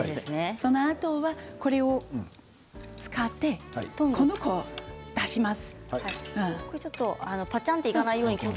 そのあとは、これを使ってこの子を出します。